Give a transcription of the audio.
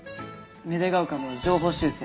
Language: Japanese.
芽出ヶ丘の情報修正。